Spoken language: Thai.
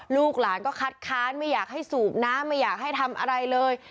ลูกหลานก็คัดค้านไม่อยากให้สูบน้ำไม่อยากให้ทำอะไรเลย